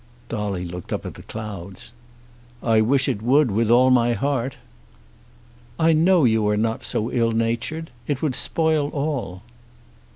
Dolly looked up at the clouds. "I wish it would with all my heart." "I know you are not so ill natured. It would spoil all."